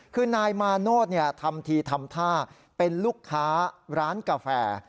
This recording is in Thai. คือนายมาโนธทำทีทำท่าเป็นลูกค้าร้านกาแฟ